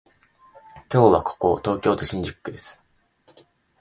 今日はここは東京都新宿区です